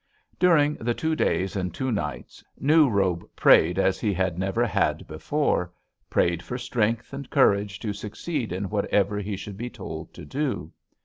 "During the two days and two nights, New Robe prayed as he never had before, prayed for strength and courage to succeed in whatever he should be told to do.